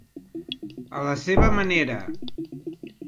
A la seva manera.